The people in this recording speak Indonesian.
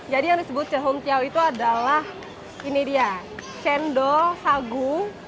jadi yang disebut jehuntiao itu adalah ini dia cendol sagu